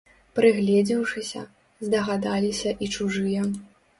Прыгледзеўшыся, здагадаліся і чужыя.